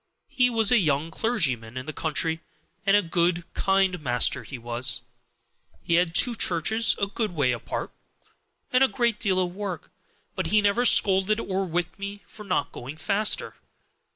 He was a young clergyman in the country, and a good, kind master he was. He had two churches a good way apart, and a great deal of work, but he never scolded or whipped me for not going faster.